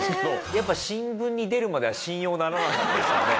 やっぱ新聞に出るまでは信用ならないんですかね？